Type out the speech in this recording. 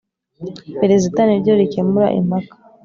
Perezida niryo rikemura impaka